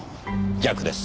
逆です。